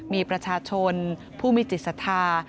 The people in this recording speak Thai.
มีประชาชนผู้มีจิตศรัทธา